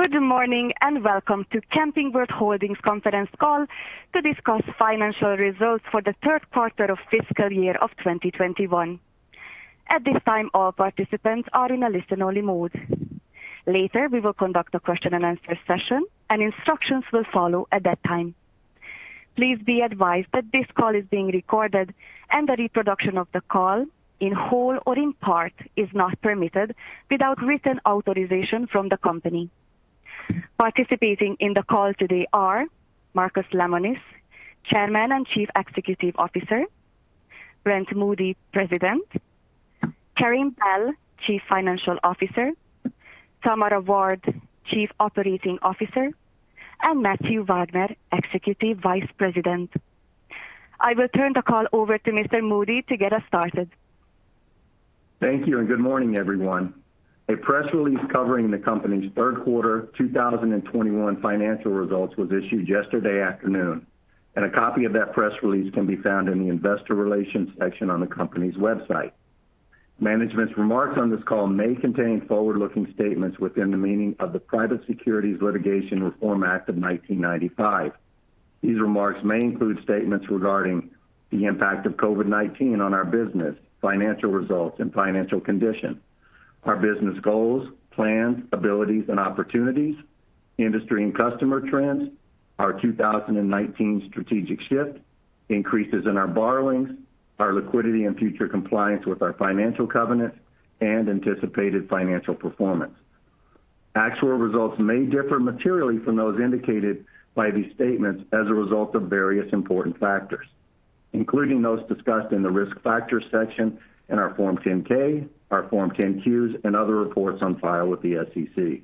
Good morning, and welcome to Camping World Holdings conference call to discuss financial results for the Q3 of fiscal year 2021. At this time, all participants are in a listen-only mode. Later, we will conduct a question-and-answer session and instructions will follow at that time. Please be advised that this call is being recorded and the reproduction of the call in whole or in part is not permitted without written authorization from the company. Participating in the call today are Marcus Lemonis, Chairman and CEO, Brent Moody, President, Karin Bell, CFO, Tamara Ward, COO, and Matthew Wagner, EVP. I will turn the call over to Mr. Moody to get us started. Thank you, and good morning, everyone. A press release covering the company's Q3 2021 financial results was issued yesterday afternoon, and a copy of that press release can be found in the investor relations section on the company's website. Management's remarks on this call may contain forward-looking statements within the meaning of the Private Securities Litigation Reform Act of 1995. These remarks may include statements regarding the impact of COVID-19 on our business, financial results, and financial condition. Our business goals, plans, abilities, and opportunities, industry and customer trends, our 2019 strategic shift, increases in our borrowings, our liquidity and future compliance with our financial covenants and anticipated financial performance. Actual results may differ materially from those indicated by these statements as a result of various important factors, including those discussed in the Risk Factors section in our Form 10-K, our Form 10-Qs, and other reports on file with the SEC.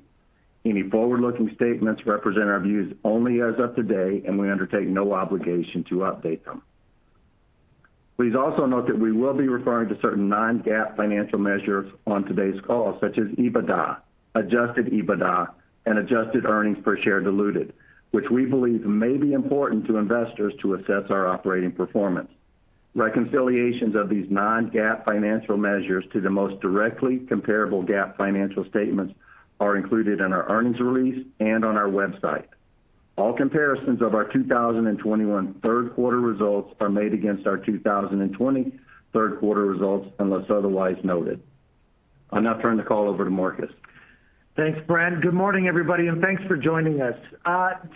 Any forward-looking statements represent our views only as of today, and we undertake no obligation to update them. Please also note that we will be referring to certain non-GAAP financial measures on today's call, such as EBITDA, adjusted EBITDA, and adjusted earnings per share diluted, which we believe may be important to investors to assess our operating performance. Reconciliations of these non-GAAP financial measures to the most directly comparable GAAP financial statements are included in our earnings release and on our website. All comparisons of our 2021 Q3 results are made against our 2020 Q3 results, unless otherwise noted. I'll now turn the call over to Marcus. Thanks, Brent. Good morning, everybody, and thanks for joining us.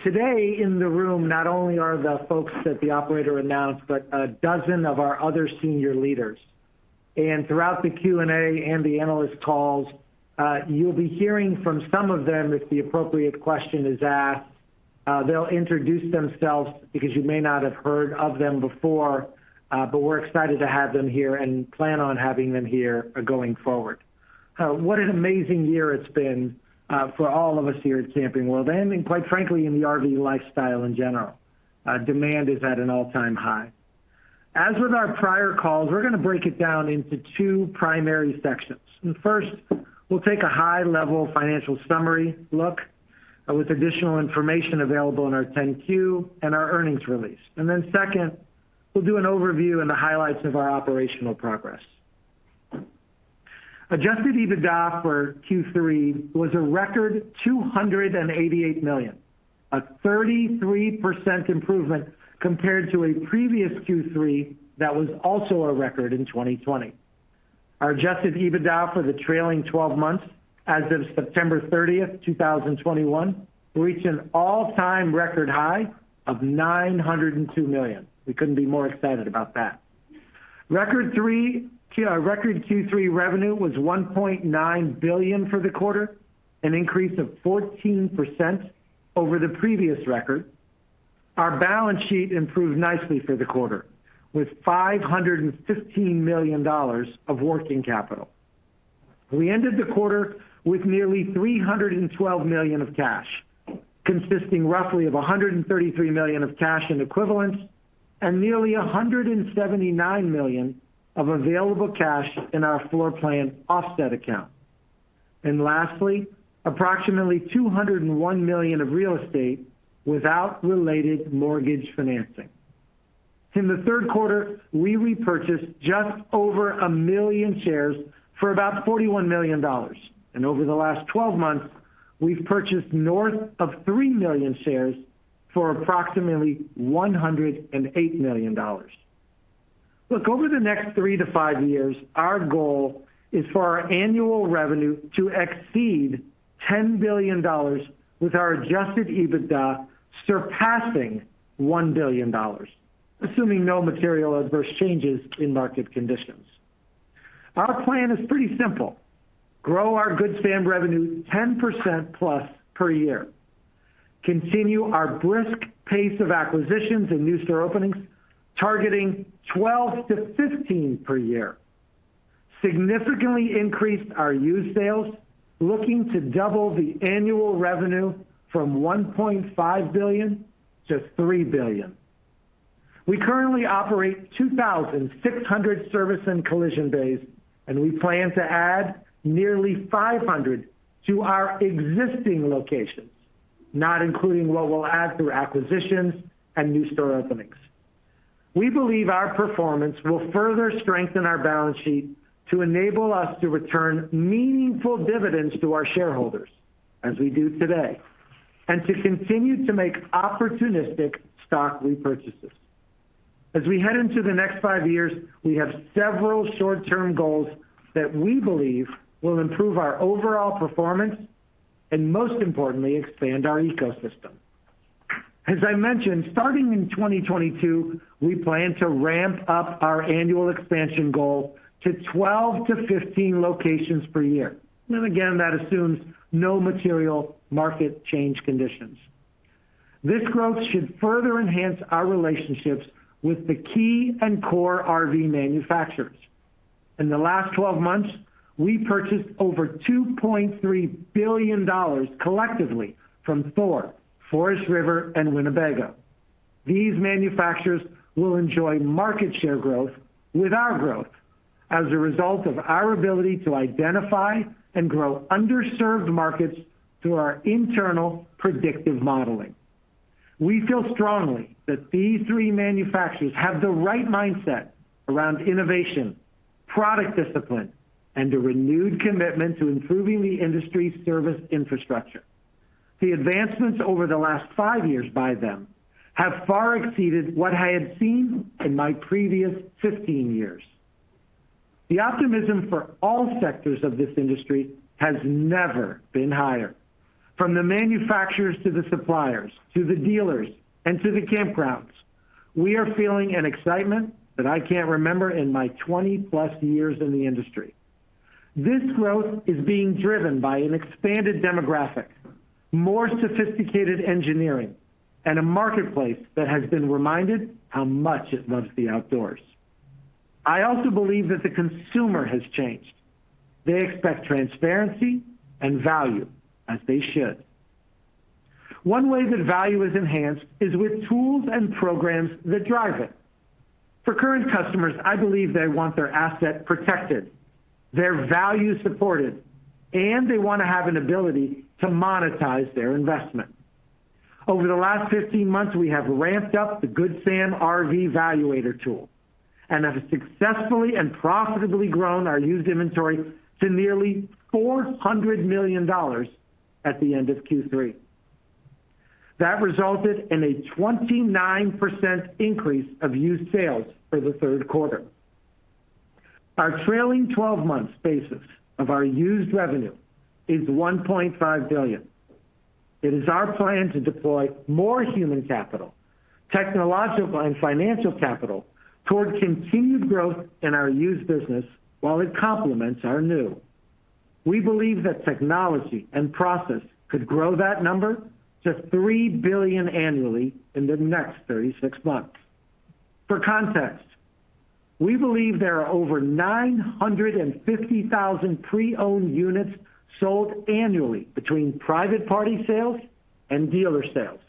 Today in the room, not only are the folks that the operator announced, but a dozen of our other senior leaders. Throughout the Q&A and the analyst calls, you'll be hearing from some of them if the appropriate question is asked. They'll introduce themselves because you may not have heard of them before, but we're excited to have them here and plan on having them here going forward. What an amazing year it's been for all of us here at Camping World, and quite frankly, in the RV lifestyle in general. Demand is at an all-time high. As with our prior calls, we're gonna break it down into two primary sections. First, we'll take a high-level financial summary look with additional information available in our 10 Q and our earnings release. Second, we'll do an overview and the highlights of our operational progress. Adjusted EBITDA for Q3 was a record $288 million, a 33% improvement compared to a previous Q3 that was also a record in 2020. Our adjusted EBITDA for the trailing twelve months as of September 30th 2021, reached an all-time record high of $902 million. We couldn't be more excited about that. Record Q3 revenue was $1.9 billion for the quarter, an increase of 14% over the previous record. Our balance sheet improved nicely for the quarter with $515 million of working capital. We ended the quarter with nearly $312 million of cash, consisting roughly of $133 million of cash and equivalents and nearly $179 million of available cash in our floorplan offset account. Lastly, approximately $201 million of real estate without related mortgage financing. In the third quarter, we repurchased just over 1 million shares for about $41 million. Over the last 12 months, we've purchased north of 3 million shares for approximately $108 million. Look, over the next three-five years, our goal is for our annual revenue to exceed $10 billion with our Adjusted EBITDA surpassing $1 billion, assuming no material adverse changes in market conditions. Our plan is pretty simple. Grow our Good Sam and revenue 10%+ per year. Continue our brisk pace of acquisitions and new store openings, targeting 12-15 per year. Significantly increase our used sales, looking to double the annual revenue from $1.5 billion to $3 billion. We currently operate 2,600 service and collision bays, and we plan to add nearly 500 to our existing locations, not including what we'll add through acquisitions and new store openings. We believe our performance will further strengthen our balance sheet to enable us to return meaningful dividends to our shareholders as we do today, and to continue to make opportunistic stock repurchases. As we head into the next five years, we have several short-term goals that we believe will improve our overall performance and most importantly, expand our ecosystem. As I mentioned, starting in 2022, we plan to ramp up our annual expansion goal to 12-15 locations per year. Again, that assumes no material market change conditions. This growth should further enhance our relationships with the key and core RV manufacturers. In the last 12 months, we purchased over $2.3 billion collectively from Thor, Forest River and Winnebago. These manufacturers will enjoy market share growth with our growth as a result of our ability to identify and grow underserved markets through our internal predictive modeling. We feel strongly that these three manufacturers have the right mindset around innovation, product discipline, and a renewed commitment to improving the industry service infrastructure. The advancements over the last five years by them have far exceeded what I had seen in my previous 15 years. The optimism for all sectors of this industry has never been higher. From the manufacturers to the suppliers, to the dealers and to the campgrounds, we are feeling an excitement that I can't remember in my 20 plus years in the industry. This growth is being driven by an expanded demographic, more sophisticated engineering, and a marketplace that has been reminded how much it loves the outdoors. I also believe that the consumer has changed. They expect transparency and value as they should. One way that value is enhanced is with tools and programs that drive it. For current customers, I believe they want their asset protected, their value supported, and they want to have an ability to monetize their investment. Over the last 15 months, we have ramped up the Good Sam RV Valuator tool and have successfully and profitably grown our used inventory to nearly $400 million at the end of Q3. That resulted in a 29% increase of used sales for the Q3. Our trailing twelve months basis of our used revenue is $1.5 billion. It is our plan to deploy more human capital, technological and financial capital toward continued growth in our used business while it complements our new. We believe that technology and process could grow that number to $3 billion annually in the next 36 months. For context, we believe there are over 950,000 pre-owned units sold annually between private party sales and dealer sales.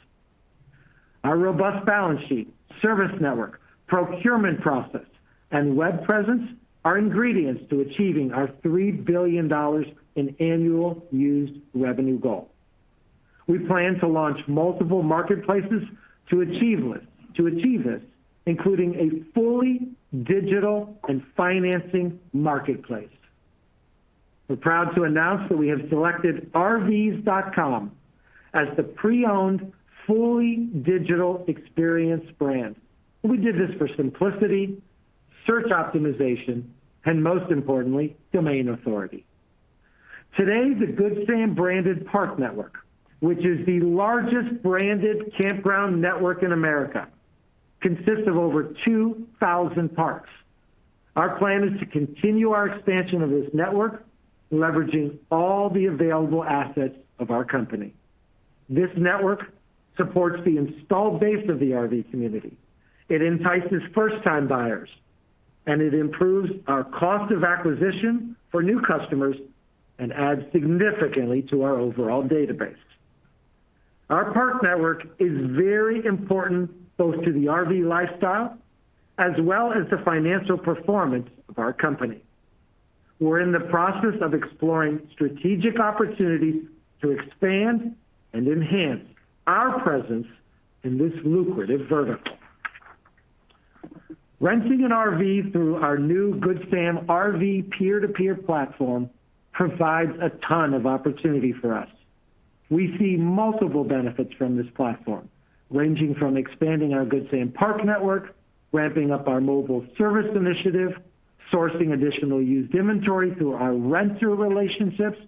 Our robust balance sheet, service network, procurement process, and web presence are ingredients to achieving our $3 billion in annual used revenue goal. We plan to launch multiple marketplaces to achieve this, including a fully digital and financing marketplace. We're proud to announce that we have selected rvs.com as the pre-owned fully digital experience brand. We did this for simplicity, search optimization, and most importantly, domain authority. Today, the Good Sam branded park network, which is the largest branded campground network in America, consists of over 2,000 parks. Our plan is to continue our expansion of this network, leveraging all the available assets of our company. This network supports the installed base of the RV community. It entices first-time buyers, and it improves our cost of acquisition for new customers and adds significantly to our overall database. Our park network is very important both to the RV lifestyle as well as the financial performance of our company. We're in the process of exploring strategic opportunities to expand and enhance our presence in this lucrative vertical. Renting an RV through our new Good Sam RV peer-to-peer platform provides a ton of opportunity for us. We see multiple benefits from this platform, ranging from expanding our Good Sam park network, ramping up our mobile service initiative, sourcing additional used inventory through our renter relationships,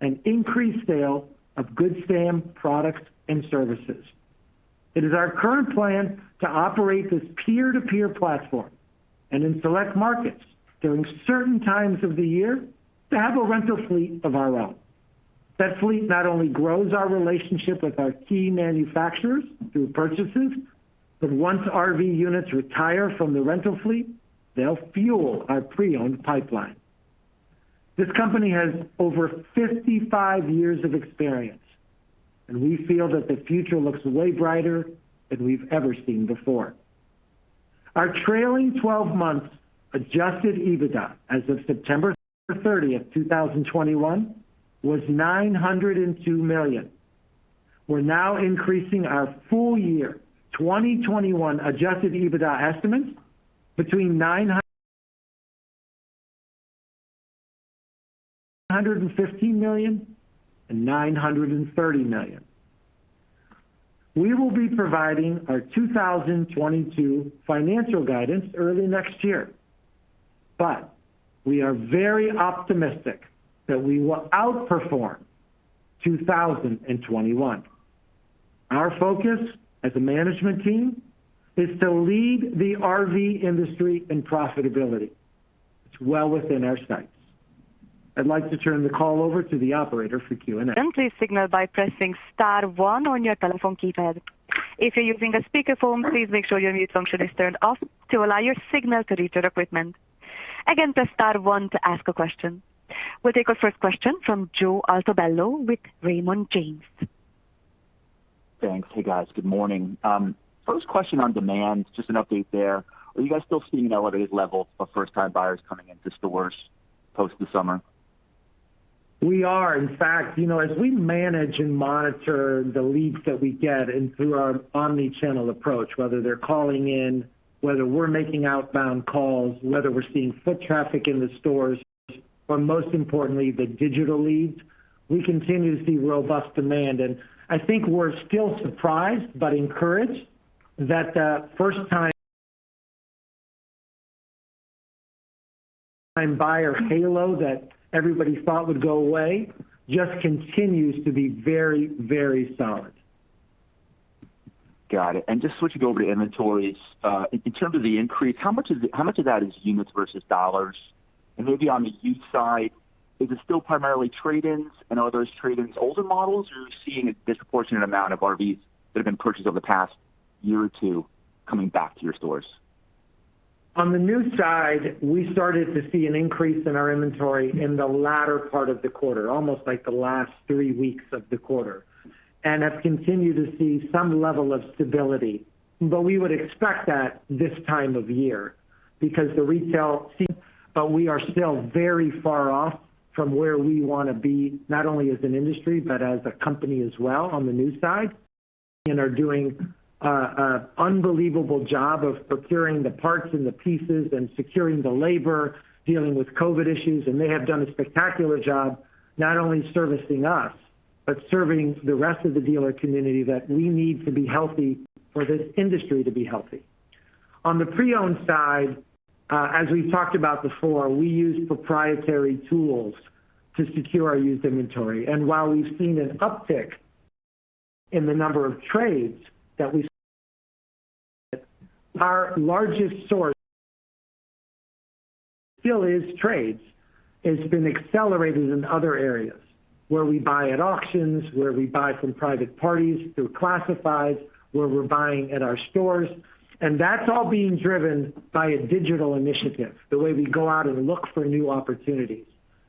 and increased sale of Good Sam products and services. It is our current plan to operate this peer-to-peer platform and in select markets during certain times of the year to have a rental fleet of our own. That fleet not only grows our relationship with our key manufacturers through purchases, but once RV units retire from the rental fleet, they'll fuel our pre-owned pipeline. This company has over 55 years of experience, and we feel that the future looks way brighter than we've ever seen before. Our trailing twelve months Adjusted EBITDA as of September 30th 2021 was $902 million. We're now increasing our full year 2021 Adjusted EBITDA estimates between $915 million and $930 million. We will be providing our 2022 financial guidance early next year. We are very optimistic that we will outperform 2021. Our focus as a management team is to lead the RV industry in profitability. It's well within our sights. I'd like to turn the call over to the operator for Q&A. Please signal by pressing star one on your telephone keypad. If you're using a speakerphone, please make sure your mute function is turned off to allow your signal to reach our equipment. Again, press star one to ask a question. We'll take our first question from Joe Altobello with Raymond James. Thanks. Hey, guys. Good morning. First question on demand, just an update there. Are you guys still seeing elevated levels of first-time buyers coming into stores post the summer? We are. In fact, you know, as we manage and monitor the leads that we get and through our omni-channel approach, whether they're calling in, whether we're making outbound calls, whether we're seeing foot traffic in the stores, or most importantly, the digital leads, we continue to see robust demand. I think we're still surprised but encouraged that the first-time buyer halo that everybody thought would go away just continues to be very, very solid. Got it. Just switching over to inventories. In terms of the increase, how much of that is units versus dollars? And maybe on the used side, is it still primarily trade-ins? And are those trade-ins older models? Or are you seeing a disproportionate amount of RVs that have been purchased over the past year or two coming back to your stores? On the new side, we started to see an increase in our inventory in the latter part of the quarter, almost like the last three weeks of the quarter, and have continued to see some level of stability. We are still very far off from where we want to be, not only as an industry, but as a company as well on the new side, and are doing a unbelievable job of procuring the parts and the pieces and securing the labor, dealing with COVID issues. They have done a spectacular job, not only servicing us, but serving the rest of the dealer community that we need to be healthy for this industry to be healthy. On the pre-owned side, as we've talked about before, we use proprietary tools to secure our used inventory. While we've seen an uptick in the number of trades, our largest source still is trades. It's been accelerated in other areas where we buy at auctions, where we buy from private parties through classifieds, where we're buying at our stores. That's all being driven by a digital initiative, the way we go out and look for new opportunities.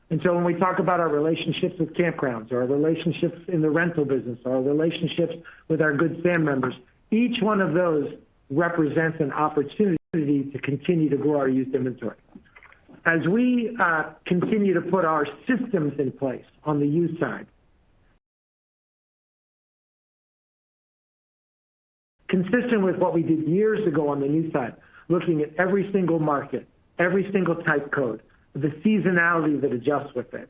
When we talk about our relationships with campgrounds or our relationships in the rental business, our relationships with our Good Sam members, each one of those represents an opportunity to continue to grow our used inventory. As we continue to put our systems in place on the used side. Consistent with what we did years ago on the new side, looking at every single market, every single type code, the seasonality that adjusts with it.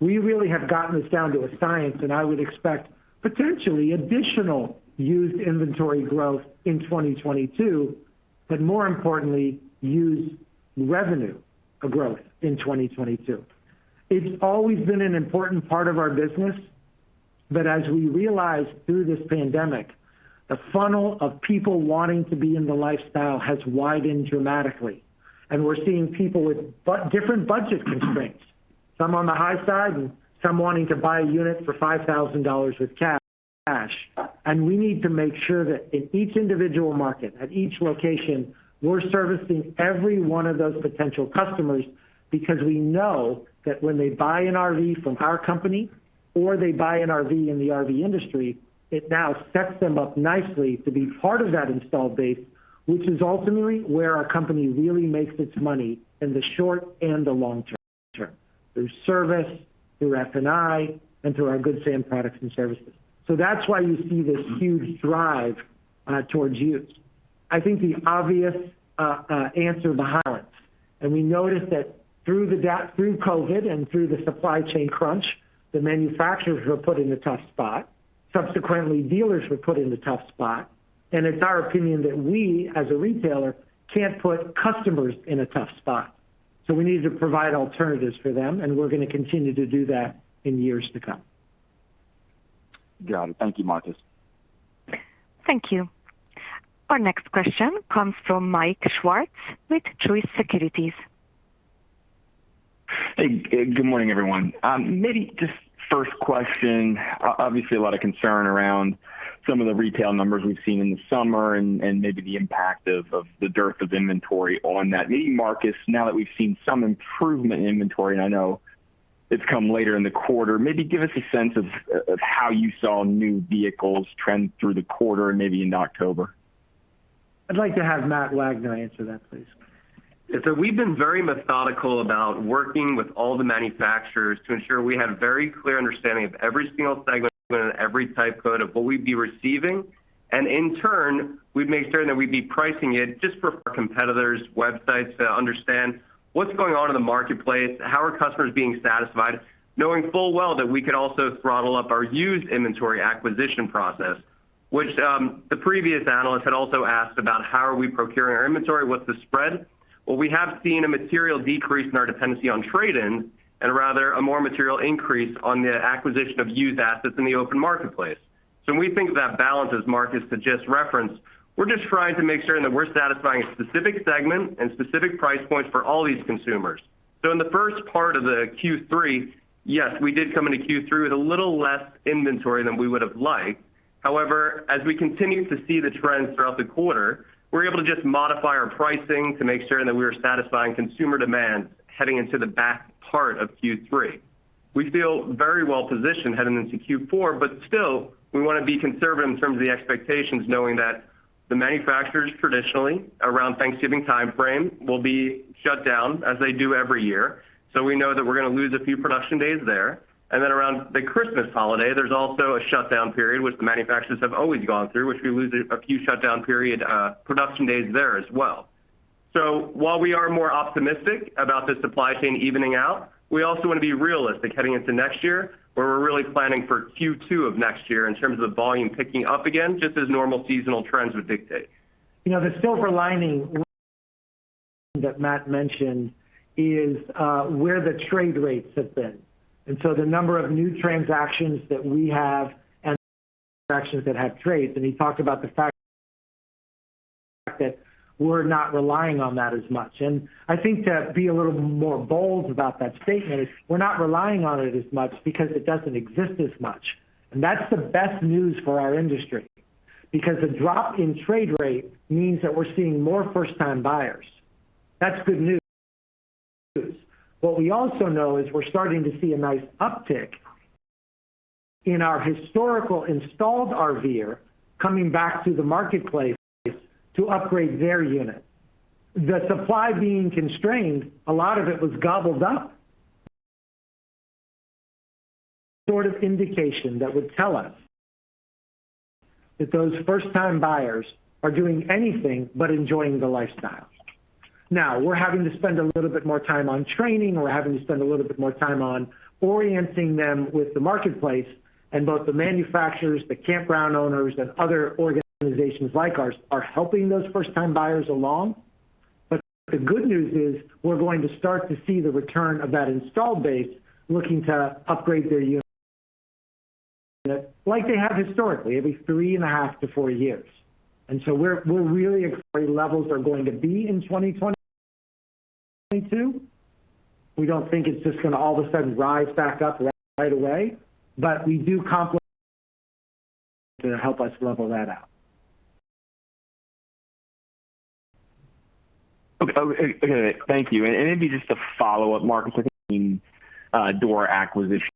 We really have gotten this down to a science, and I would expect potentially additional used inventory growth in 2022, but more importantly, used revenue growth in 2022. It's always been an important part of our business. As we realized through this pandemic, the funnel of people wanting to be in the lifestyle has widened dramatically. We're seeing people with different budget constraints, some on the high side and some wanting to buy a unit for $5,000 with cash. We need to make sure that in each individual market, at each location, we're servicing every one of those potential customers because we know that when they buy an RV from our company or they buy an RV in the RV industry, it now sets them up nicely to be part of that installed base, which is ultimately where our company really makes its money in the short and the long term, through service, through F&I, and through our Good Sam products and services. That's why you see this huge drive towards used. I think the obvious answer is the highlights. We noticed that through COVID and through the supply chain crunch, the manufacturers were put in a tough spot. Subsequently, dealers were put in a tough spot. It's our opinion that we, as a retailer, can't put customers in a tough spot. We need to provide alternatives for them, and we're going to continue to do that in years to come. Got it. Thank you, Marcus. Thank you. Our next question comes from Mike Swartz with Truist Securities. Hey. Good morning, everyone. Maybe just first question, obviously, a lot of concern around some of the retail numbers we've seen in the summer and maybe the impact of the dearth of inventory on that. Maybe, Marcus, now that we've seen some improvement in inventory, and I know it's come later in the quarter, maybe give us a sense of how you saw new vehicles trend through the quarter and maybe into October. I'd like to have Matt Wagner answer that, please. Yeah. We've been very methodical about working with all the manufacturers to ensure we have a very clear understanding of every single segment and every type code of what we'd be receiving. In turn, we've made certain that we'd be pricing it just for competitors' websites to understand what's going on in the marketplace, how are customers being satisfied, knowing full well that we could also throttle up our used inventory acquisition process, which, the previous analyst had also asked about how are we procuring our inventory, what's the spread. Well, we have seen a material decrease in our dependency on trade-in and rather a more material increase on the acquisition of used assets in the open marketplace. When we think of that balance, as Marcus just referenced, we're just trying to make certain that we're satisfying a specific segment and specific price points for all these consumers. In the first part of the Q3, yes, we did come into Q3 with a little less inventory than we would have liked. However, as we continue to see the trends throughout the quarter, we're able to just modify our pricing to make certain that we are satisfying consumer demand heading into the back part of Q3. We feel very well positioned heading into Q4, but still we wanna be conservative in terms of the expectations, knowing that the manufacturers traditionally around Thanksgiving timeframe will be shut down as they do every year. We know that we're gonna lose a few production days there. Then around the Christmas holiday, there's also a shutdown period, which the manufacturers have always gone through, which we lose a few production days there as well. While we are more optimistic about the supply chain evening out, we also wanna be realistic heading into next year, where we're really planning for Q2 of next year in terms of volume picking up again, just as normal seasonal trends would dictate. You know, the silver lining that Matt mentioned is where the trade rates have been. The number of new transactions that we have and transactions that have trades, and he talked about the fact that we're not relying on that as much. I think to be a little more bold about that statement is we're not relying on it as much because it doesn't exist as much. That's the best news for our industry because a drop in trade rate means that we're seeing more first-time buyers. That's good news. What we also know is we're starting to see a nice uptick in our historical installed RVer coming back to the marketplace to upgrade their unit. The supply being constrained, a lot of it was gobbled up. Sort of indication that would tell us that those first-time buyers are doing anything but enjoying the lifestyle. Now, we're having to spend a little bit more time on training. We're having to spend a little bit more time on orienting them with the marketplace. Both the manufacturers, the campground owners, and other organizations like ours are helping those first-time buyers along. The good news is we're going to start to see the return of that installed base looking to upgrade their unit like they have historically, every three and a half-four years. We're really levels are going to be in 2022. We don't think it's just gonna all of a sudden rise back up right away, but we do to help us level that out. Okay. Thank you. Maybe just a follow-up, Marcus. I think dealer acquisition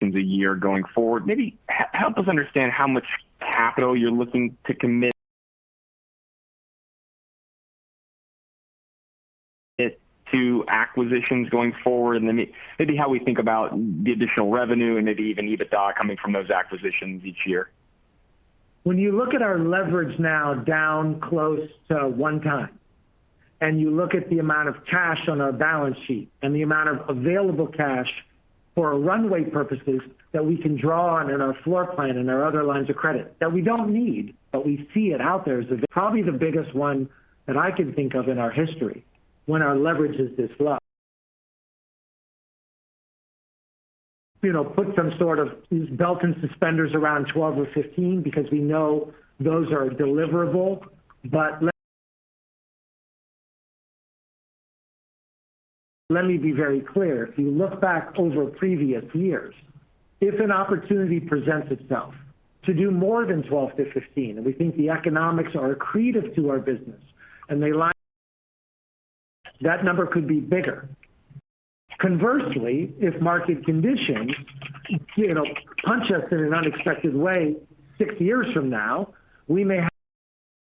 the year going forward. Maybe help us understand how much capital you're looking to commit to acquisitions going forward, and then maybe how we think about the additional revenue and maybe even EBITDA coming from those acquisitions each year. When you look at our leverage now down close to 1x, and you look at the amount of cash on our balance sheet and the amount of available cash for runway purposes that we can draw on in our floor plan and our other lines of credit that we don't need, but we see it out there is probably the biggest one that I can think of in our history when our leverage is this low. You know, put some sort of belt and suspenders around 12 or 15 because we know those are deliverable. Let me be very clear. If you look back over previous years, if an opportunity presents itself to do more than 12-15, and we think the economics are accretive to our business and they line. That number could be bigger. Conversely, if market conditions, you know, punch us in an unexpected way 6 years from now, we may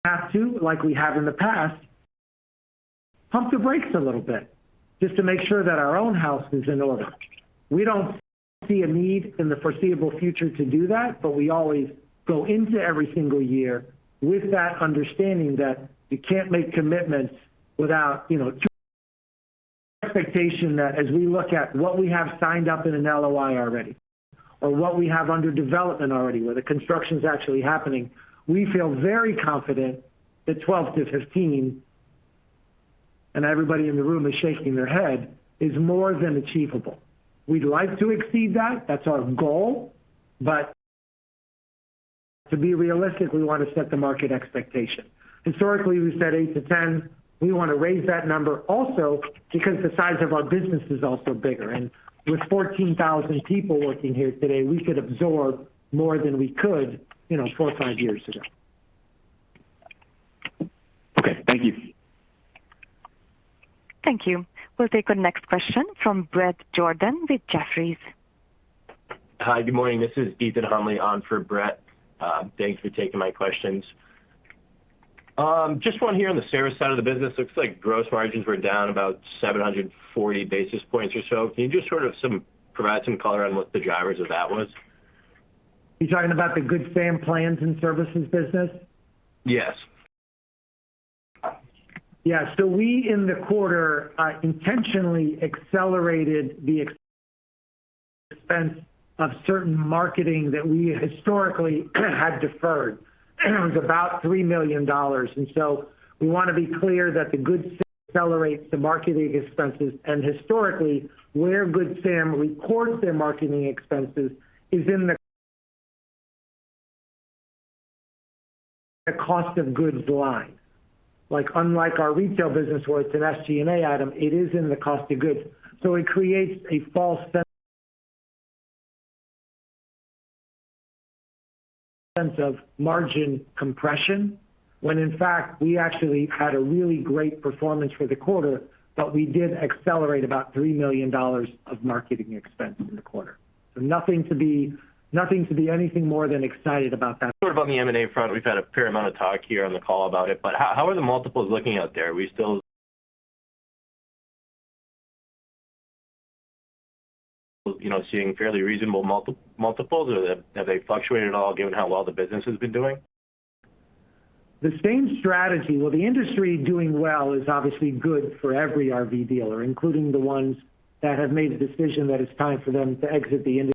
have to, like we have in the past, pump the brakes a little bit just to make sure that our own house is in order. We don't see a need in the foreseeable future to do that, but we always go into every single year with that understanding that you can't make commitments without, you know, expectation that as we look at what we have signed up in an LOI already or what we have under development already, where the construction's actually happening, we feel very confident that 12-15, and everybody in the room is shaking their head, is more than achievable. We'd like to exceed that. That's our goal. But to be realistic, we want to set the market expectation. Historically, we've said 8-10. We want to raise that number also because the size of our business is also bigger. With 14,000 people working here today, we could absorb more than we could, you know, four or five years ago. Okay. Thank you. Thank you. We'll take the next question from Bret Jordan with Jefferies. Hi, good morning. This is Ethan Huntley on for Brett. Thanks for taking my questions. Just one here on the service side of the business. Looks like gross margins were down about 740 basis points or so. Can you just provide some color on what the drivers of that was? You're talking about the Good Sam plans and services business? Yes. Yeah. We, in the quarter, intentionally accelerated the expense of certain marketing that we historically had deferred. It was about $3 million. We want to be clear that Good Sam accelerates the marketing expenses. Historically, where Good Sam records their marketing expenses is in the cost of goods line. Like, unlike our retail business, where it's an SG&A item, it is in the cost of goods. It creates a false sense of margin compression when in fact we actually had a really great performance for the quarter. We did accelerate about $3 million of marketing expense in the quarter. Nothing to be anything more than excited about that. Sort of on the M&A front, we've had a fair amount of talk here on the call about it, but how are the multiples looking out there? Are we still, you know, seeing fairly reasonable multiples, or have they fluctuated at all given how well the business has been doing? The same strategy. Well, the industry doing well is obviously good for every RV dealer, including the ones that have made the decision that it's time for them to exit the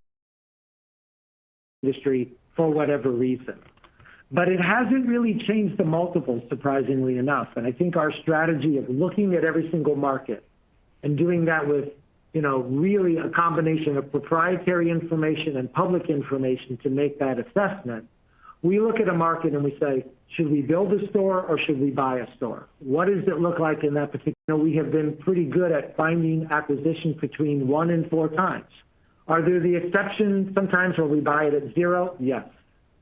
industry for whatever reason. It hasn't really changed the multiples, surprisingly enough. I think our strategy of looking at every single market and doing that with, you know, really a combination of proprietary information and public information to make that assessment. We look at a market and we say, "Should we build a store or should we buy a store? What does it look like in that particular" You know, we have been pretty good at finding acquisitions between 1× and 4×. Are there the exceptions sometimes where we buy it at zero? Yes.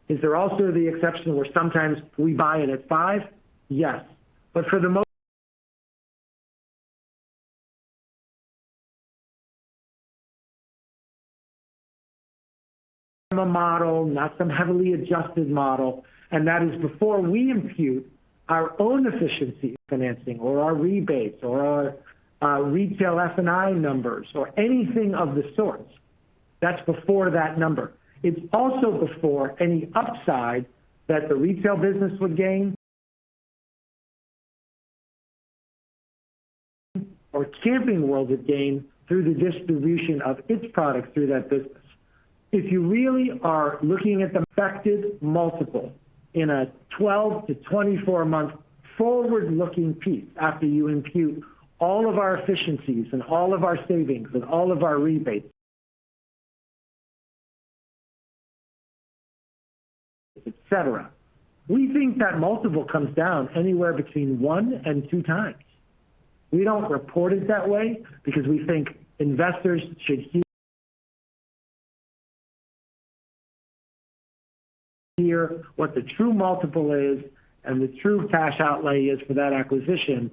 Is there also the exception where sometimes we buy it at five? Yes. For the most model, not some heavily adjusted model, and that is before we impute our own efficiency financing or our rebates or our retail F&I numbers or anything of the sort. That's before that number. It's also before any upside that the retail business would gain or Camping World would gain through the distribution of its products through that business. If you really are looking at the affected multiple in a 12-24 month forward-looking piece, after you impute all of our efficiencies and all of our savings and all of our rebates, et cetera, we think that multiple comes down anywhere between 1×-2×. We don't report it that way because we think investors should hear what the true multiple is and the true cash outlay is for that acquisition.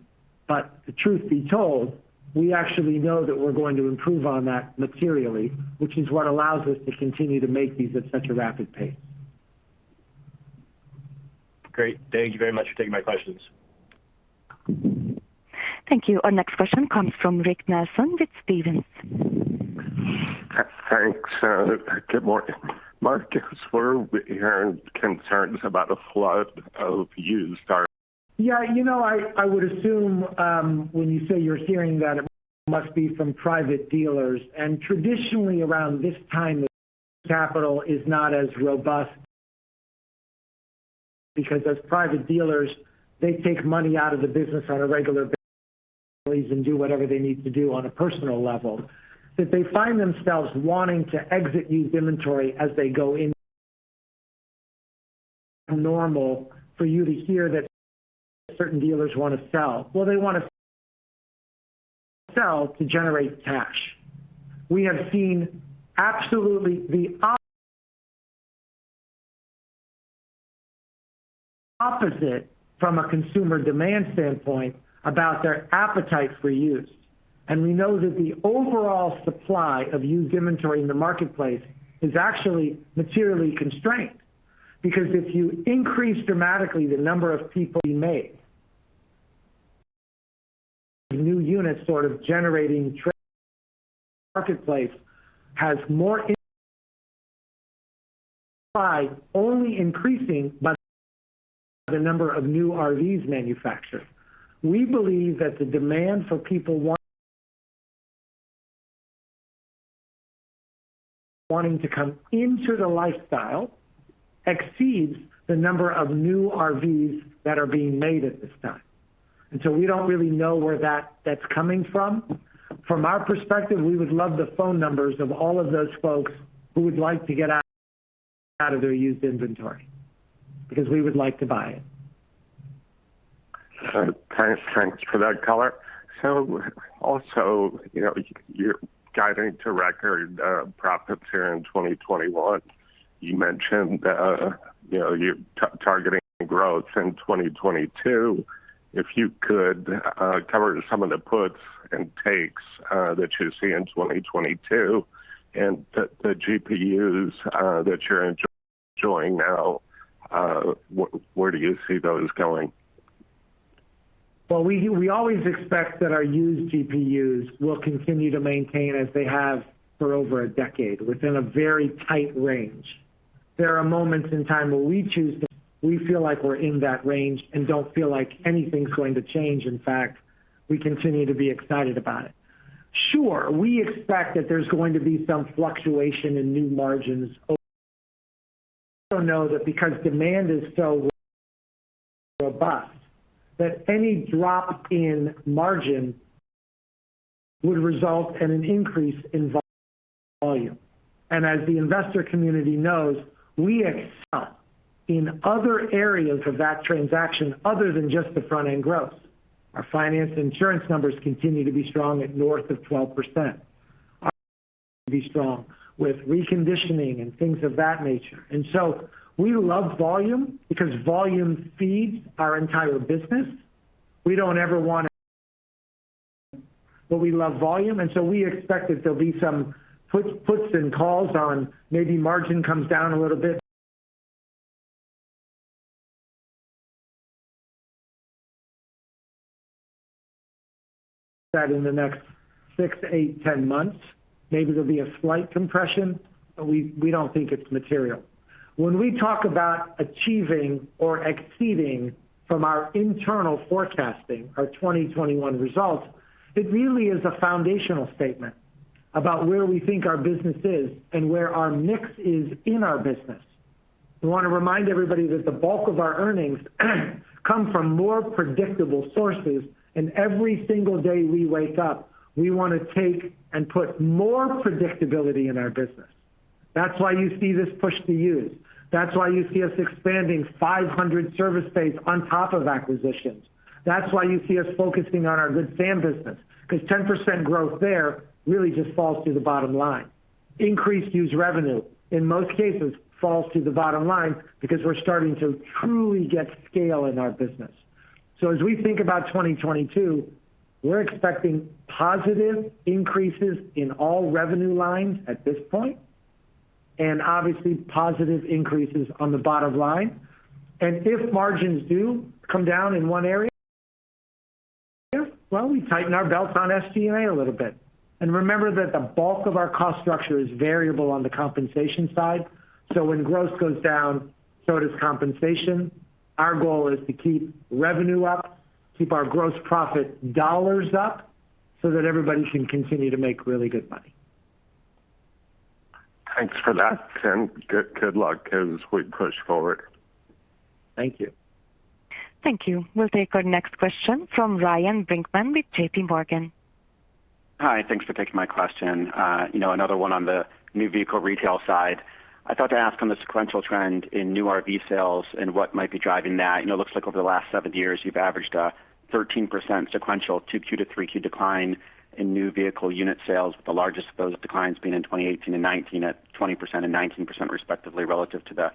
The truth be told, we actually know that we're going to improve on that materially, which is what allows us to continue to make these at such a rapid pace. Great. Thank you very much for taking my questions. Thank you. Our next question comes from Rick Nelson with Stephens. Thanks. Good morning. Marcus, we're hearing concerns about a flood of used RVs. Yeah. You know, I would assume when you say you're hearing that it must be from private dealers. Traditionally around this time, the capital is not as robust because as private dealers, they take money out of the business on a regular basis and do whatever they need to do on a personal level, that they find themselves wanting to exit used inventory as they go into normal for you to hear that certain dealers want to sell. Well, they want to sell to generate cash. We have seen absolutely the opposite from a consumer demand standpoint about their appetite for used. We know that the overall supply of used inventory in the marketplace is actually materially constrained because if you increase dramatically the number of new units being made, new units sort of generating trade. Marketplace has more supply only increasing by the number of new RVs manufactured. We believe that the demand for people wanting to come into the lifestyle exceeds the number of new RVs that are being made at this time. We don't really know where that's coming from. From our perspective, we would love the phone numbers of all of those folks who would like to get out of their used inventory because we would like to buy it. Thanks. Thanks for that color. Also, you know, you're guiding to record profits here in 2021. You mentioned, you know, you're targeting growth in 2022. If you could cover some of the puts and takes that you see in 2022 and the GPUs that you're enjoying now, where do you see those going? Well, we always expect that our used RVs will continue to maintain as they have for over a decade within a very tight range. There are moments in time where we choose to. We feel like we're in that range and don't feel like anything's going to change. In fact, we continue to be excited about it. Sure, we expect that there's going to be some fluctuation in new margins. We also know that because demand is so robust that any drop in margin would result in an increase in volume. As the investor community knows, we excel in other areas of that transaction other than just the front-end gross. Our finance insurance numbers continue to be strong at north of 12%. We're strong with reconditioning and things of that nature. We love volume because volume feeds our entire business. We don't ever want to, but we love volume, and so we expect that there'll be some puts and calls on maybe margin comes down a little bit. That in the next six, eight, 10 months, maybe there'll be a slight compression, but we don't think it's material. When we talk about achieving or exceeding from our internal forecasting our 2021 results, it really is a foundational statement about where we think our business is and where our mix is in our business. We want to remind everybody that the bulk of our earnings come from more predictable sources, and every single day we wake up, we want to take and put more predictability in our business. That's why you see this push to use. That's why you see us expanding 500 service space on top of acquisitions. That's why you see us focusing on our Good Sam business, because 10% growth there really just falls to the bottom line. Increased used revenue, in most cases, falls to the bottom line because we're starting to truly get scale in our business. As we think about 2022, we're expecting positive increases in all revenue lines at this point, and obviously positive increases on the bottom line. If margins do come down in one area, well, we tighten our belts on SG&A a little bit. Remember that the bulk of our cost structure is variable on the compensation side. When gross goes down, so does compensation. Our goal is to keep revenue up, keep our gross profit dollars up so that everybody can continue to make really good money. Thanks for that, Tim. Good luck as we push forward. Thank you. Thank you. We'll take our next question from Ryan Brinkman with JPMorgan. Hi. Thanks for taking my question. You know, another one on the new vehicle retail side. I thought to ask on the sequential trend in new RV sales and what might be driving that. You know, it looks like over the last seven years, you've averaged 13% sequential Q2 to Q3 decline in new vehicle unit sales, with the largest of those declines being in 2018 and 2019 at 20% and 19% respectively relative to the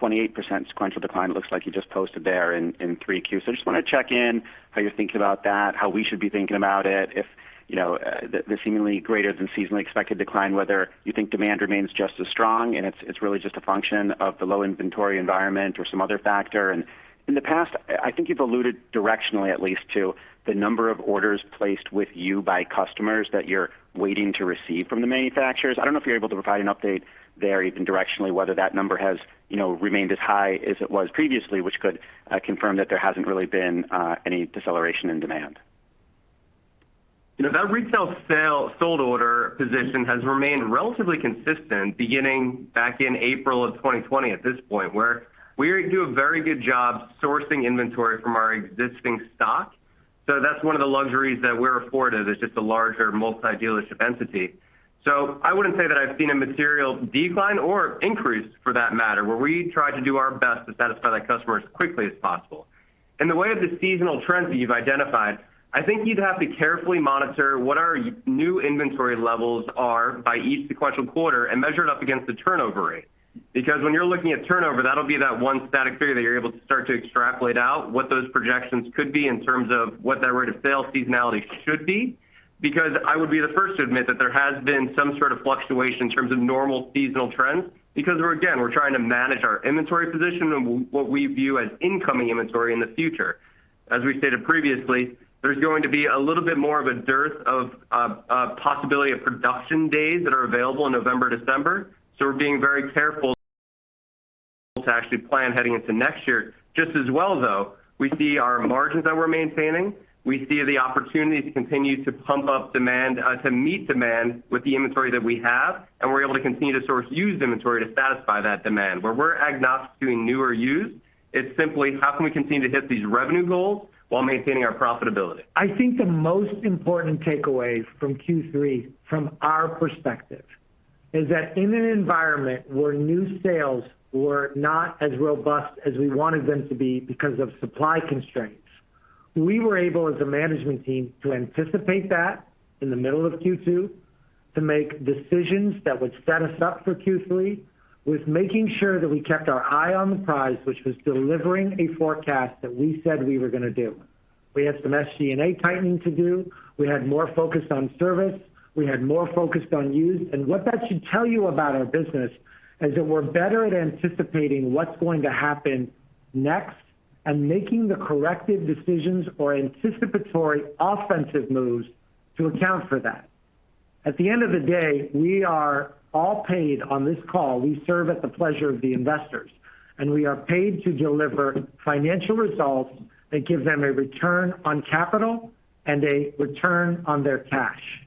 28% sequential decline it looks like you just posted there in Q3. I just want to check in how you're thinking about that, how we should be thinking about it if, you know, the seemingly greater than seasonally expected decline, whether you think demand remains just as strong and it's really just a function of the low inventory environment or some other factor. In the past, I think you've alluded directionally at least to the number of orders placed with you by customers that you're waiting to receive from the manufacturers. I don't know if you're able to provide an update there even directionally whether that number has, you know, remained as high as it was previously, which could confirm that there hasn't really been any deceleration in demand. You know that retail sale sold order position has remained relatively consistent beginning back in April 2020 at this point, where we do a very good job sourcing inventory from our existing stock. That's one of the luxuries that we're afforded as just a larger multi-dealership entity. I wouldn't say that I've seen a material decline or increase for that matter, where we try to do our best to satisfy that customer as quickly as possible. In the way of the seasonal trends that you've identified, I think you'd have to carefully monitor what our new inventory levels are by each sequential quarter and measure it up against the turnover rate. Because when you're looking at turnover, that'll be that one static figure that you're able to start to extrapolate out what those projections could be in terms of what that rate of sale seasonality should be. Because I would be the first to admit that there has been some sort of fluctuation in terms of normal seasonal trends, because we're trying to manage our inventory position and what we view as incoming inventory in the future. As we stated previously, there's going to be a little bit more of a dearth of possibility of production days that are available in November, December. We're being very careful to actually plan heading into next year. Just as well, though, we see our margins that we're maintaining, we see the opportunity to continue to pump up demand, to meet demand with the inventory that we have, and we're able to continue to source used inventory to satisfy that demand. Where we're agnostic to new or used, it's simply how can we continue to hit these revenue goals while maintaining our profitability. I think the most important takeaway from Q3 from our perspective is that in an environment where new sales were not as robust as we wanted them to be because of supply constraints. We were able as a management team to anticipate that in the middle of Q2 to make decisions that would set us up for Q3 with making sure that we kept our eye on the prize, which was delivering a forecast that we said we were gonna do. We had some SG&A tightening to do. We had more focus on service. We had more focus on used. What that should tell you about our business is that we're better at anticipating what's going to happen next and making the corrective decisions or anticipatory offensive moves to account for that. At the end of the day, we are all paid on this call. We serve at the pleasure of the investors, and we are paid to deliver financial results that give them a return on capital and a return on their cash.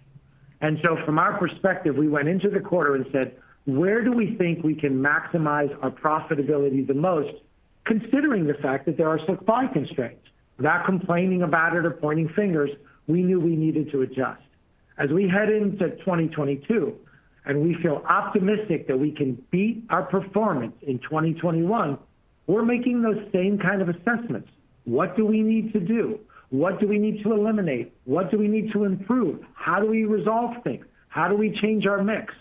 From our perspective, we went into the quarter and said, "Where do we think we can maximize our profitability the most considering the fact that there are supply constraints?" Without complaining about it or pointing fingers, we knew we needed to adjust. As we head into 2022 and we feel optimistic that we can beat our performance in 2021, we're making those same kind of assessments. What do we need to do? What do we need to eliminate? What do we need to improve? How do we resolve things? How do we change our mix?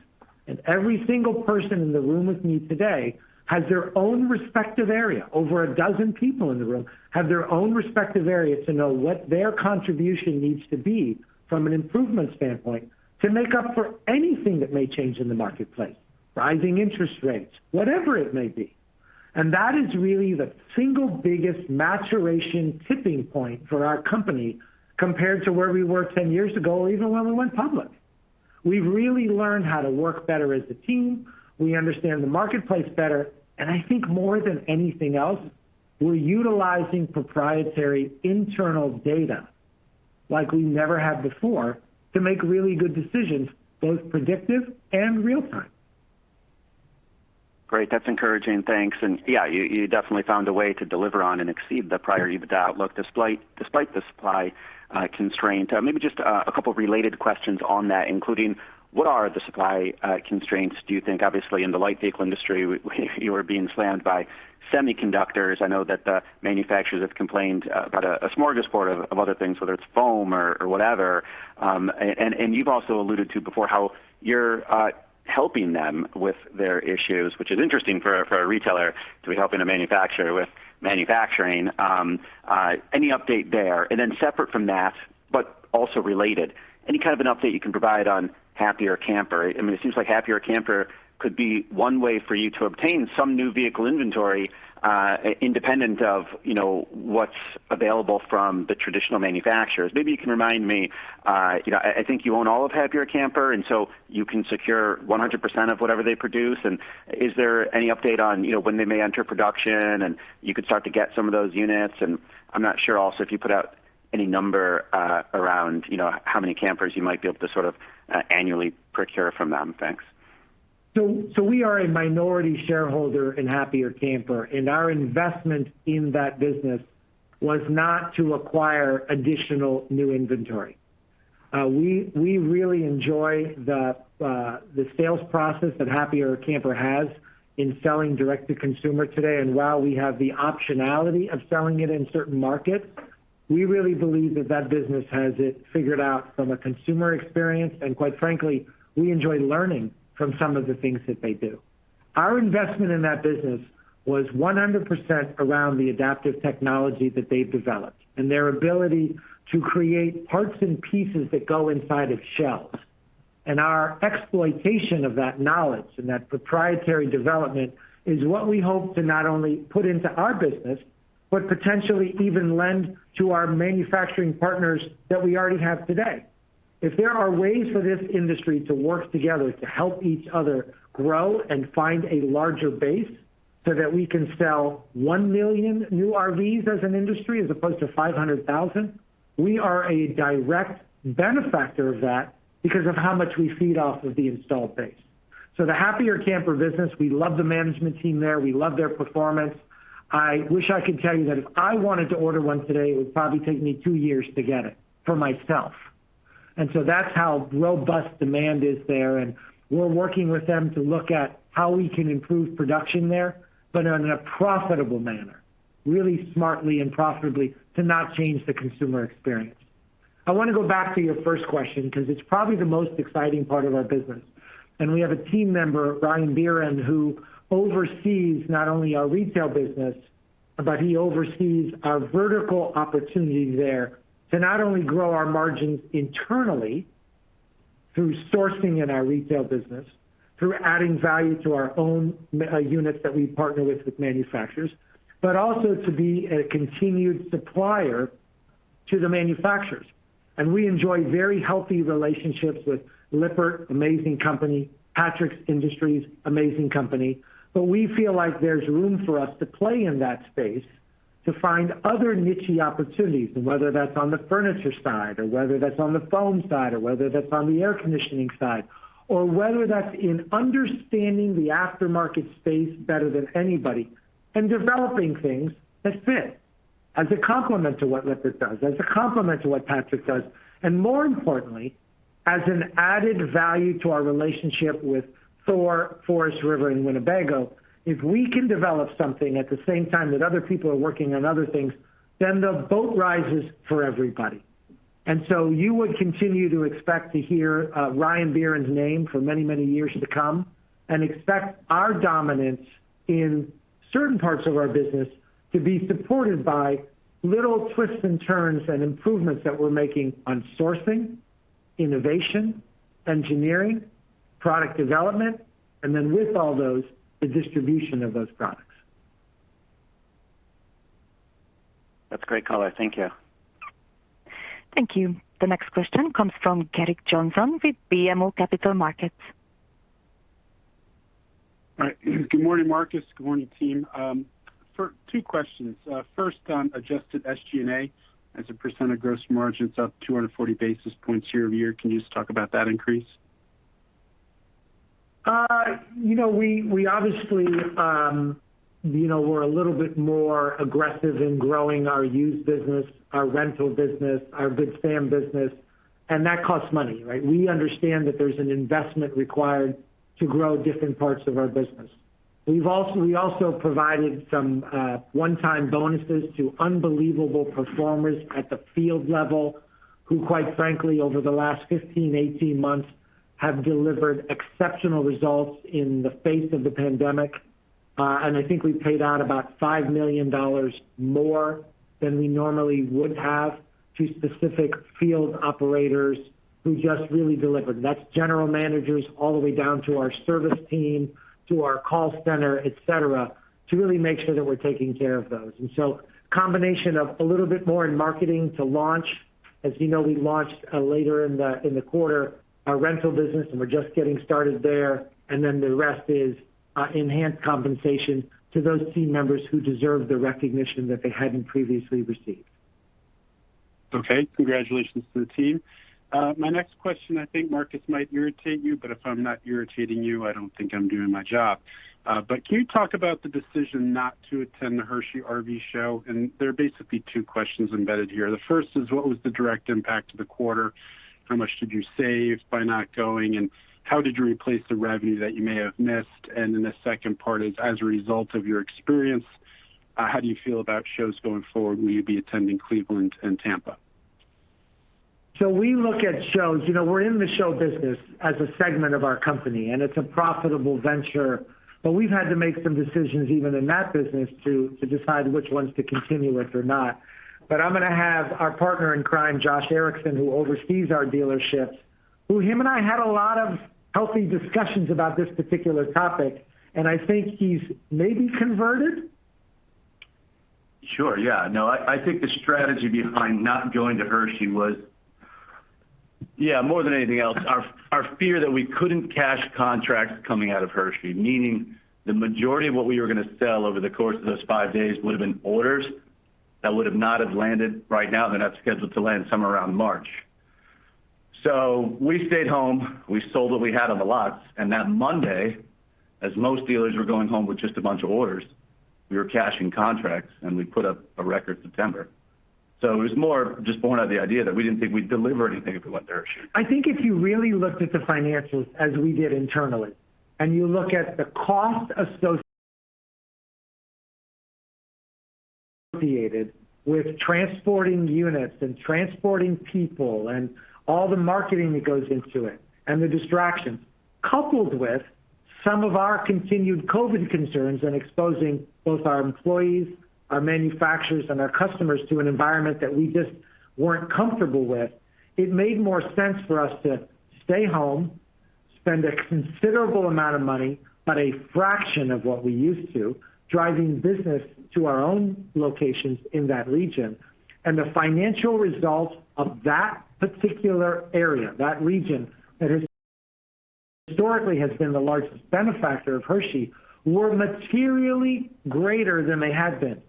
Every single person in the room with me today has their own respective area. Over a dozen people in the room have their own respective area to know what their contribution needs to be from an improvement standpoint to make up for anything that may change in the marketplace, rising interest rates, whatever it may be. That is really the single biggest maturation tipping point for our company compared to where we were 10 years ago or even when we went public. We've really learned how to work better as a team. We understand the marketplace better. I think more than anything else, we're utilizing proprietary internal data like we never have before to make really good decisions, both predictive and real-time. Great. That's encouraging. Thanks. Yeah, you definitely found a way to deliver on and exceed the prior EBITDA outlook despite the supply constraint. Maybe just a couple related questions on that, including what are the supply constraints do you think? Obviously, in the light vehicle industry you are being slammed by semiconductors. I know that the manufacturers have complained about a smorgasbord of other things, whether it's foam or whatever. And you've also alluded to before how you're helping them with their issues, which is interesting for a retailer to be helping a manufacturer with manufacturing. Any update there? Then separate from that but also related, any kind of an update you can provide on Happier Camper? I mean, it seems like Happier Camper could be one way for you to obtain some new vehicle inventory, independent of, you know, what's available from the traditional manufacturers. Maybe you can remind me, you know, I think you own all of Happier Camper, and so you can secure 100% of whatever they produce. Is there any update on, you know, when they may enter production and you could start to get some of those units? I'm not sure also if you put out any number, around, you know, how many campers you might be able to sort of, annually procure from them. Thanks. We are a minority shareholder in Happier Camper, and our investment in that business was not to acquire additional new inventory. We really enjoy the sales process that Happier Camper has in selling direct to consumer today. While we have the optionality of selling it in certain markets, we really believe that business has it figured out from a consumer experience. Quite frankly, we enjoy learning from some of the things that they do. Our investment in that business was 100% around the adaptive technology that they've developed and their ability to create parts and pieces that go inside of shells. Our exploitation of that knowledge and that proprietary development is what we hope to not only put into our business, but potentially even lend to our manufacturing partners that we already have today. If there are ways for this industry to work together to help each other grow and find a larger base so that we can sell 1 million new RVs as an industry as opposed to 500,000, we are a direct benefactor of that because of how much we feed off of the installed base. The Happier Camper business, we love the management team there. We love their performance. I wish I could tell you that if I wanted to order one today, it would probably take me two years to get it for myself. That's how robust demand is there, and we're working with them to look at how we can improve production there, but in a profitable manner, really smartly and profitably to not change the consumer experience. I wanna go back to your first question because it's probably the most exciting part of our business. We have a team member, Ryan Maley, who oversees not only our retail business, but he oversees our vertical opportunity there to not only grow our margins internally through sourcing in our retail business, through adding value to our own units that we partner with manufacturers, but also to be a continued supplier to the manufacturers. We enjoy very healthy relationships with Lippert, amazing company, Patrick Industries, amazing company. We feel like there's room for us to play in that space to find other nichey opportunities, and whether that's on the furniture side, or whether that's on the foam side, or whether that's on the air conditioning side, or whether that's in understanding the aftermarket space better than anybody and developing things that fit as a complement to what Lippert does, as a complement to what Patrick does. As an added value to our relationship with Thor, Forest River, and Winnebago, if we can develop something at the same time that other people are working on other things, then the boat rises for everybody. You would continue to expect to hear Ryan Maley's name for many, many years to come and expect our dominance in certain parts of our business to be supported by little twists and turns and improvements that we're making on sourcing, innovation, engineering, product development, and then with all those, the distribution of those products. That's great, Collier. Thank you. Thank you. The next question comes from Gerrick Johnson with BMO Capital Markets. All right. Good morning, Marcus. Good morning, team. Two questions. First on adjusted SG&A as a % of gross margins up 240 basis points year-over-year. Can you just talk about that increase? You know, we obviously, you know, we're a little bit more aggressive in growing our used business, our rental business, our Good Sam business, and that costs money, right? We understand that there's an investment required to grow different parts of our business. We also provided some one-time bonuses to unbelievable performers at the field level who, quite frankly, over the last 15, 18 months, have delivered exceptional results in the face of the pandemic. I think we paid out about $5 million more than we normally would have to specific field operators who just really delivered. That's general managers all the way down to our service team, to our call center, et cetera, to really make sure that we're taking care of those. Combination of a little bit more in marketing to launch. As you know, we launched later in the quarter our rental business, and we're just getting started there. The rest is enhanced compensation to those team members who deserve the recognition that they hadn't previously received. Okay. Congratulations to the team. My next question, I think, Marcus, might irritate you, but if I'm not irritating you, I don't think I'm doing my job. Can you talk about the decision not to attend the Hershey RV show? There are basically two questions embedded here. The first is, what was the direct impact to the quarter? How much did you save by not going, and how did you replace the revenue that you may have missed? The second part is, as a result of your experience, how do you feel about shows going forward? Will you be attending Cleveland and Tampa? We look at shows. You know, we're in the show business as a segment of our company, and it's a profitable venture. We've had to make some decisions even in that business to decide which ones to continue with or not. I'm gonna have our partner in crime, Josh Erickson, who oversees our dealerships, who him and I had a lot of healthy discussions about this particular topic, and I think he's maybe converted. Sure. Yeah. No, I think the strategy behind not going to Hershey was. Yeah, more than anything else, our fear that we couldn't cash contracts coming out of Hershey, meaning the majority of what we were gonna sell over the course of those five days would have been orders that would have not have landed right now. They're not scheduled to land somewhere around March. We stayed home, we sold what we had on the lots, and that Monday, as most dealers were going home with just a bunch of orders, we were cashing contracts, and we put up a record September. It was more just born out of the idea that we didn't think we'd deliver anything if we went to Hershey. I think if you really looked at the financials as we did internally, and you look at the cost associated with transporting units and transporting people and all the marketing that goes into it and the distractions, coupled with some of our continued COVID concerns and exposing both our employees, our manufacturers, and our customers to an environment that we just weren't comfortable with, it made more sense for us to stay home, spend a considerable amount of money, but a fraction of what we used to, driving business to our own locations in that region. The financial results of that particular area, that region that has historically been the largest benefactor of Hershey, were materially greater than they had been.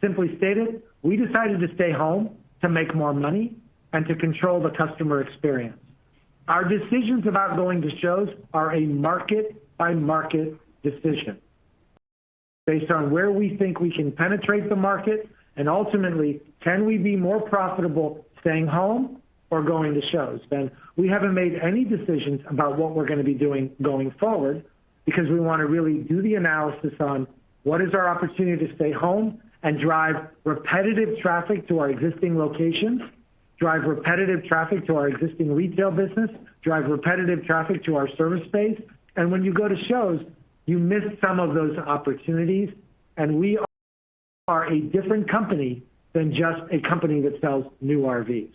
Simply stated, we decided to stay home to make more money and to control the customer experience. Our decisions about going to shows are a market-by-market decision based on where we think we can penetrate the market and ultimately, can we be more profitable staying home or going to shows? Ben, we haven't made any decisions about what we're gonna be doing going forward because we wanna really do the analysis on what is our opportunity to stay home and drive repetitive traffic to our existing locations, drive repetitive traffic to our existing retail business, drive repetitive traffic to our service space. When you go to shows, you miss some of those opportunities. We are a different company than just a company that sells new RVs.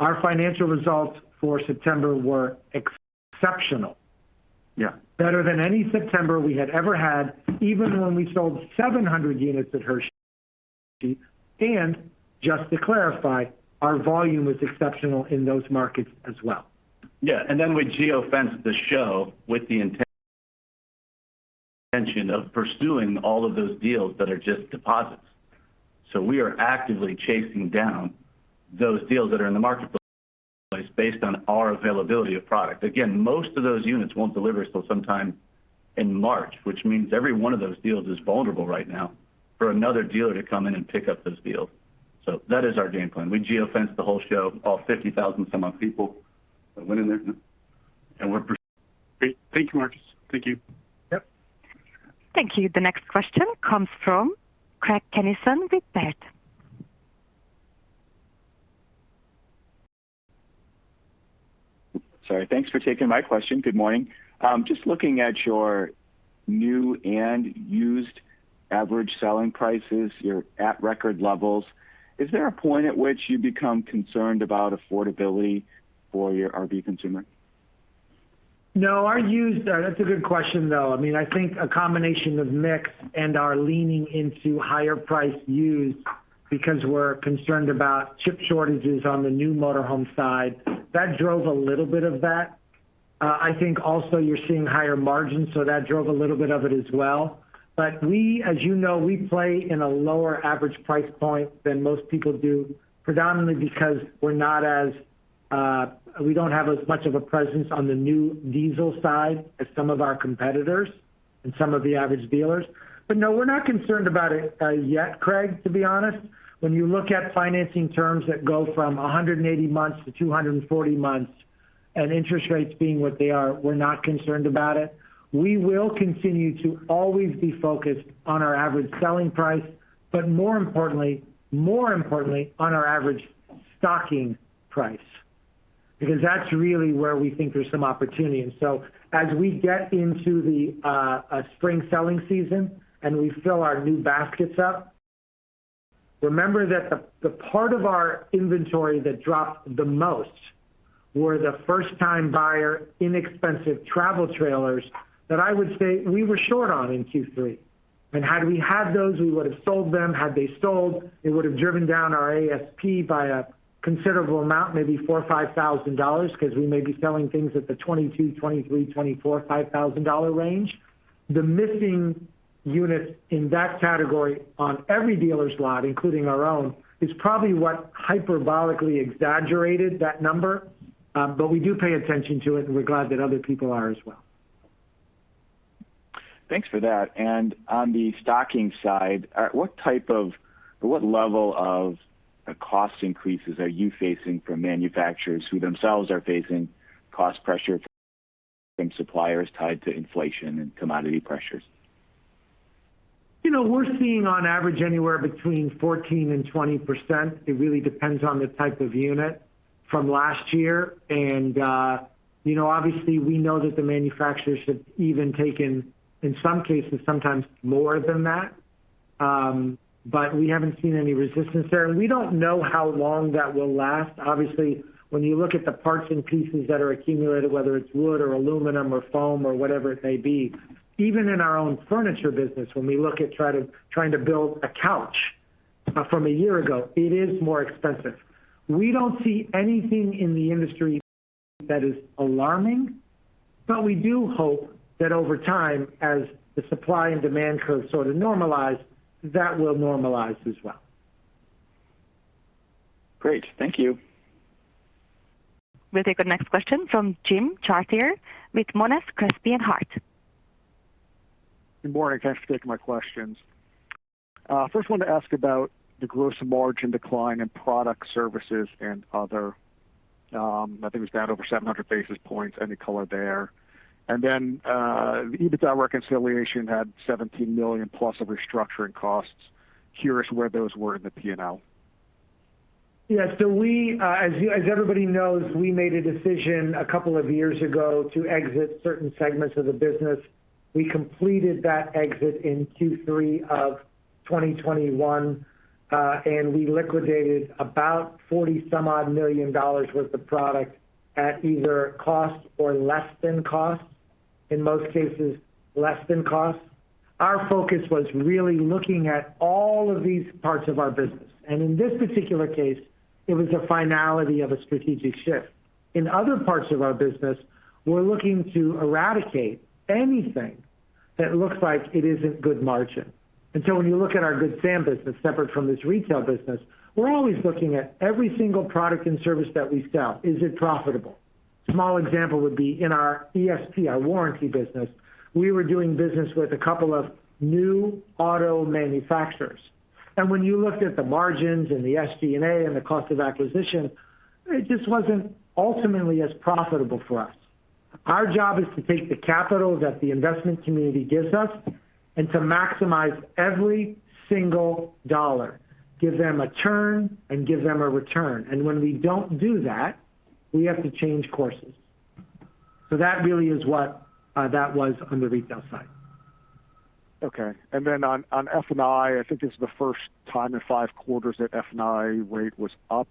Our financial results for September were exceptional. Yeah. Better than any September we had ever had, even when we sold 700 units at Hershey. Just to clarify, our volume was exceptional in those markets as well. Yeah. We geofenced the show with the intention of pursuing all of those deals that are just deposits. We are actively chasing down those deals that are in the marketplace based on our availability of product. Again, most of those units won't deliver so sometime In March, which means every one of those deals is vulnerable right now for another dealer to come in and pick up those deals. That is our game plan. We geofenced the whole show, all 50,000 some odd people that went in there. Great. Thank you, Marcus. Thank you. Yep. Thank you. The next question comes from Craig Kennison with Baird. Sorry. Thanks for taking my question. Good morning. Just looking at your new and used average selling prices, you're at record levels. Is there a point at which you become concerned about affordability for your RV consumer? No. That's a good question, though. I mean, I think a combination of mix and our leaning into higher priced used because we're concerned about chip shortages on the new motor home side, that drove a little bit of that. I think also you're seeing higher margins, so that drove a little bit of it as well. As you know, we play in a lower average price point than most people do, predominantly because we're not as, we don't have as much of a presence on the new diesel side as some of our competitors and some of the average dealers. No, we're not concerned about it, yet, Craig, to be honest. When you look at financing terms that go from 180 months to 240 months and interest rates being what they are, we're not concerned about it. We will continue to always be focused on our average selling price, but more importantly on our average stocking price, because that's really where we think there's some opportunity. As we get into the spring selling season and we fill our new baskets up, remember that the part of our inventory that dropped the most were the first-time buyer, inexpensive travel trailers that I would say we were short on in Q3. Had we had those, we would have sold them. Had they sold, it would have driven down our ASP by a considerable amount, maybe $4,000-$5,000, because we may be selling things at the $22,000-$25,000 range. The missing units in that category on every dealer's lot, including our own, is probably what hyperbolically exaggerated that number. We do pay attention to it, and we're glad that other people are as well. Thanks for that. On the stocking side, what type of or what level of cost increases are you facing from manufacturers who themselves are facing cost pressures from suppliers tied to inflation and commodity pressures? You know, we're seeing on average anywhere between 14%-20%, it really depends on the type of unit, from last year. You know, obviously, we know that the manufacturers have even taken, in some cases, sometimes more than that. We haven't seen any resistance there. We don't know how long that will last. Obviously, when you look at the parts and pieces that are accumulated, whether it's wood or aluminum or foam or whatever it may be, even in our own furniture business, when we look at trying to build a couch, from a year ago, it is more expensive. We don't see anything in the industry that is alarming, but we do hope that over time, as the supply and demand curves sort of normalize, that will normalize as well. Great. Thank you. We'll take the next question from Jim Chartier with Monness, Crespi, Hardt Good morning. Thanks for taking my questions. First, I want to ask about the gross margin decline in product services and other. I think it was down over 700 basis points. Any color there? Then, the EBITDA reconciliation had $17 million plus of restructuring costs. I'm curious where those were in the P&L. As everybody knows, we made a decision a couple of years ago to exit certain segments of the business. We completed that exit in Q3 of 2021, and we liquidated about $40-some-odd million worth of product at either cost or less than cost, in most cases less than cost. Our focus was really looking at all of these parts of our business, and in this particular case, it was the finality of a strategic shift. In other parts of our business, we're looking to eradicate anything that looks like it isn't good margin. When you look at our Good Sam business, separate from this retail business, we're always looking at every single product and service that we sell. Is it profitable? small example would be in our ESP, our warranty business. We were doing business with a couple of new auto manufacturers. When you looked at the margins and the SG&A and the cost of acquisition, it just wasn't ultimately as profitable for us. Our job is to take the capital that the investment community gives us and to maximize every single dollar, give them a turn and give them a return. When we don't do that, we have to change courses. That really is what that was on the retail side. Okay. On F&I think this is the first time in five quarters that F&I rate was up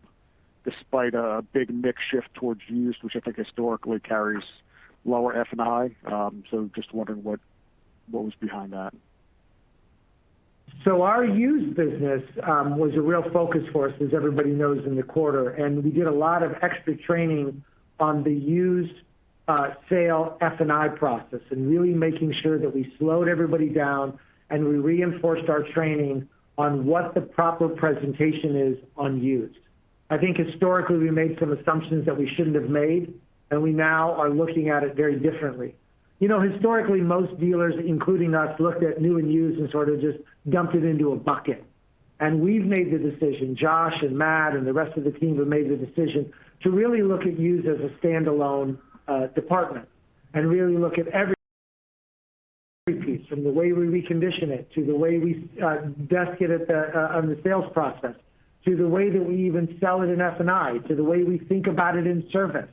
despite a big mix shift towards used, which I think historically carries lower F&I. So just wondering what was behind that. Our used business was a real focus for us, as everybody knows, in the quarter, and we did a lot of extra training on the used sale F&I process and really making sure that we slowed everybody down and we reinforced our training on what the proper presentation is on used. I think historically we made some assumptions that we shouldn't have made, and we now are looking at it very differently. You know, historically, most dealers, including us, looked at new and used and sort of just dumped it into a bucket. We've made the decision, Josh and Matt and the rest of the team have made the decision to really look at used as a standalone department and really look at every piece, from the way we recondition it, to the way we desk it on the sales process, to the way that we even sell it in F&I, to the way we think about it in service.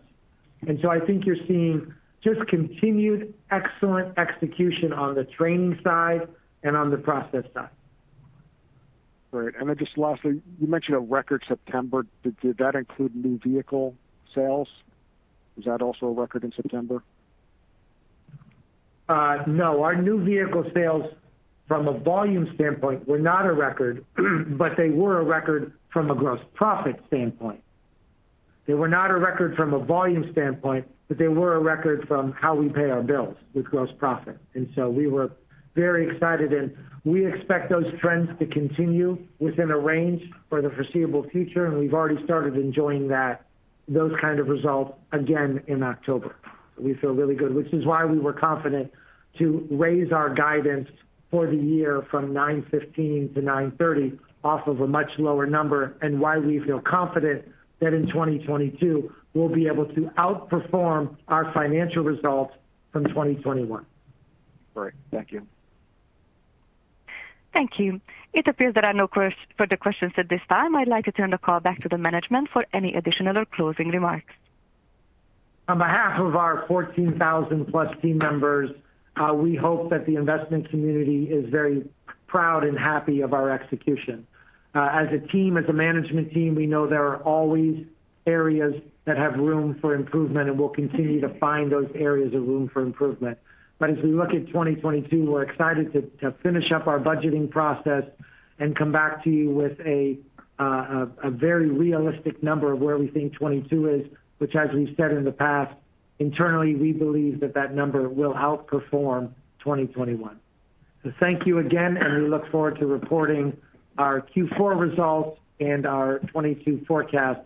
I think you're seeing just continued excellent execution on the training side and on the process side. Great. Just lastly, you mentioned a record September. Did that include new vehicle sales? Is that also a record in September? No. Our new vehicle sales from a volume standpoint were not a record, but they were a record from a gross profit standpoint. They were not a record from a volume standpoint, but they were a record from how we pay our bills with gross profit. We were very excited and we expect those trends to continue within a range for the foreseeable future, and we've already started enjoying those kind of results again in October. We feel really good, which is why we were confident to raise our guidance for the year from $915-$930 off of a much lower number, and why we feel confident that in 2022 we'll be able to outperform our financial results from 2021. Great. Thank you. Thank you. It appears there are no further questions at this time. I'd like to turn the call back to the management for any additional or closing remarks. On behalf of our 14,000+ team members, we hope that the investment community is very proud and happy of our execution. As a team, as a management team, we know there are always areas that have room for improvement, and we'll continue to find those areas of room for improvement. As we look at 2022, we're excited to finish up our budgeting process and come back to you with a very realistic number of where we think 2022 is. Which as we've said in the past, internally, we believe that that number will outperform 2021. Thank you again, and we look forward to reporting our Q4 results and our 2022 forecast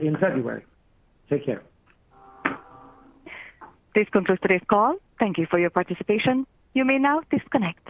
in February. Take care. This concludes today's call. Thank you for your participation. You may now disconnect.